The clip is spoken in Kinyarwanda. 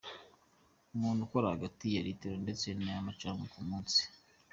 Umuntu akora hagati ya litiro ndetse na y’amacadwe ku munsi.